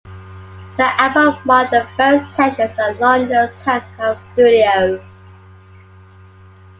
The album marked their first sessions at London's Townhouse Studios.